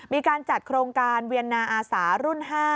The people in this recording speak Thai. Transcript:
มีการจัดโครงการเวียนนาอาสารุ่น๕